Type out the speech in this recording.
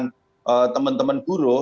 teman teman serikat buruh